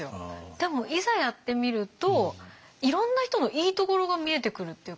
でもいざやってみるといろんな人のいいところが見えてくるっていうか